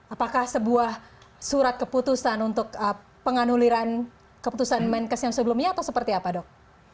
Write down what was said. apakah sebuah surat keputusan untuk penganuliran keputusan menkes yang sebelumnya atau seperti apa dok